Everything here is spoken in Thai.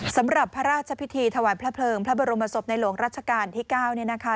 สำหรับพระราชพิธีถวายพระเพลิงพระบรมศพในหลวงรัชกาลที่๙เนี่ยนะคะ